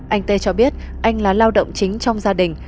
anh tê cho biết anh là lao động chính trong gia đình